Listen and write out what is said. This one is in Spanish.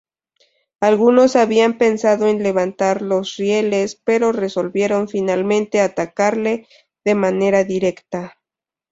Algunos habían pensado en levantar los rieles, pero resolvieron finalmente atacarle de manera directa.